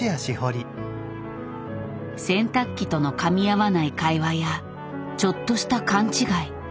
洗濯機とのかみ合わない会話やちょっとした勘違い。